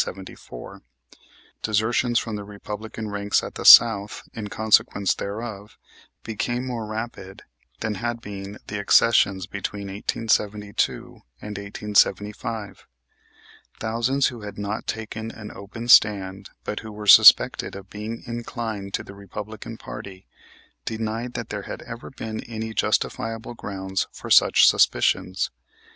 Desertions from the Republican ranks at the South, in consequence thereof, became more rapid than had been the accessions between 1872 and 1875. Thousands who had not taken an open stand, but who were suspected of being inclined to the Republican party, denied that there had ever been any justifiable grounds for such suspicions.